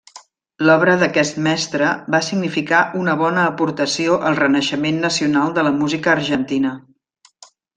L'obra d'aquest mestre va significar una bona aportació al renaixement nacional de la música argentina.